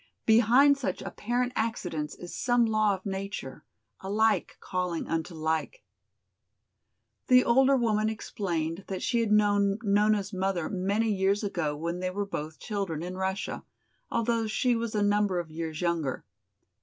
Behind such apparent accidents is some law of nature, a like calling unto like. The older woman explained that she had known Nona's mother many years ago when they were both children in Russia, although she was a number of years younger.